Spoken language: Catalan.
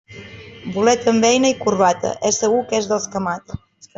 Bolet amb beina i corbata, és segur que és dels que mata.